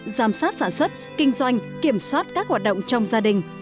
giám sát sản xuất kinh doanh kiểm soát các hoạt động trong gia đình